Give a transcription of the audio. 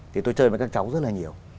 thì tôi chơi với các cháu rất là nhiều